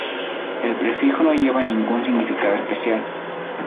El prefijo no lleva ningún significado especial.